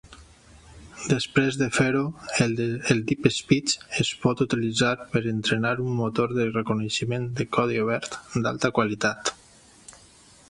Després de fer-ho, el DeepSpeech es pot utilitzar per entrenar un motor de reconeixement de codi obert d'alta qualitat.